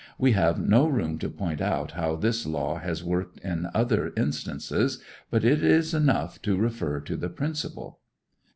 We have no room to point out how this law has worked in other instances; but it is enough to refer to the principle.